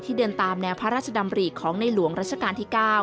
เดินตามแนวพระราชดำริของในหลวงรัชกาลที่๙